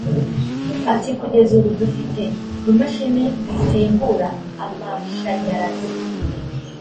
Ati “Kugeza ubu dufite imashini zisimbura amashanyarazi